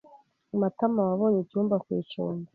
Matamawabonye icyumba ku icumbi.